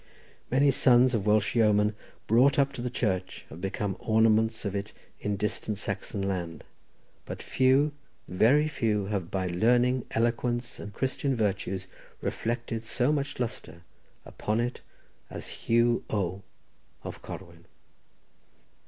Many sons of Welsh yeomen brought up to the Church have become ornaments of it in distant Saxon land, but few—very few—have by learning, eloquence and Christian virtues, reflected so much lustre upon it as Hugh O— of Corwen.